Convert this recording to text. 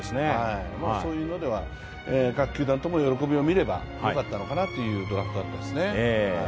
そういうのでは各球団とも喜びを見ればよかったのかなというドラフトだったですね。